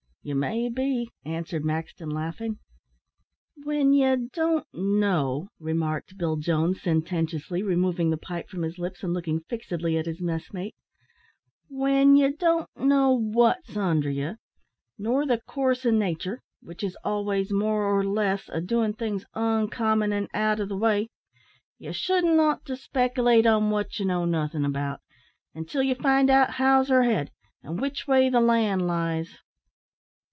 "You may be," answered Maxton, laughing. "W'en ye don't know," remarked Bill Jones, sententiously, removing the pipe from his lips, and looking fixedly at his messmate, "W'en ye don't know wot's under ye, nor the coorse o' nature, w'ich is always more or less a doin' things oncommon an' out o' the way, ye shouldn't ought to speckilate on wot ye know nothin' about, until ye find out how's her head, an' w'ich way the land lies.